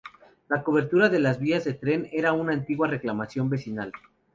La cobertura de las vías de tren era una antigua reclamación vecinal.